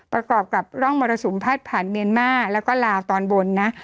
ประกอบกับร่องมรสุมพัดผ่านเมียนมาแล้วก็ลาวตอนบนนะ